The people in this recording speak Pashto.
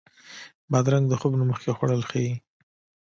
بادرنګ د خوب نه مخکې خوړل ښه دي.